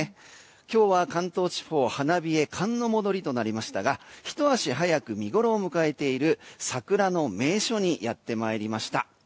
今日は関東地方花冷え、寒の戻りとなりましたがひと足早く見ごろを迎えている桜の名所にやってまいりました。